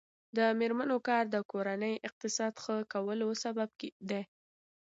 د میرمنو کار د کورنۍ اقتصاد ښه کولو سبب دی.